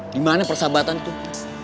di mana persahabatan tuh